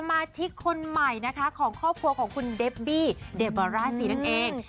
มาชิกคนใหม่นะคะของครอบครัวของคุณเดบบี้เดบาร่าซีนั่นเอง